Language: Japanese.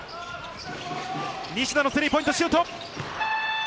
西田のスリーポイントシュート！